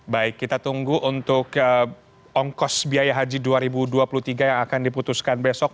baik kita tunggu untuk ongkos biaya haji dua ribu dua puluh tiga yang akan diputuskan besok